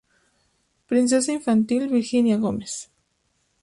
Princesa Infantil Virginia Gómez.